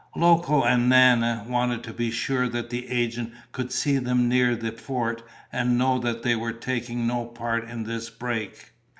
Loco and Nana wanted to be sure that the agent could see them near the fort and know that they were taking no part in this break.